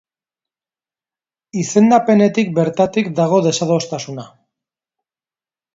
Izendapenetik bertatik dago desadostasuna.